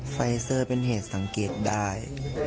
ไฟเซอร์เป็นเหตุสังเกตได้